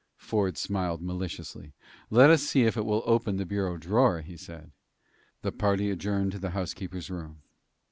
Ford smiled maliciously. "Let us see if it will open the bureau drawer," he said. The party adjourned to the housekeeper's room.